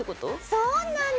そうなの。